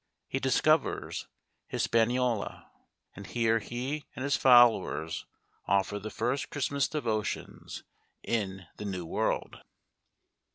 He dis covers Hispaniola, and here he and his followers offer the first Christmas devotions in the New World.